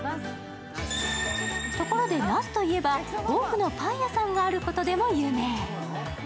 ところで、那須といえば多くのパン屋さんがあることでも有名。